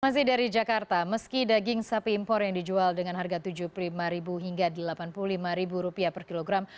masih dari jakarta meski daging sapi impor yang dijual dengan harga rp tujuh puluh lima hingga rp delapan puluh lima per kilogram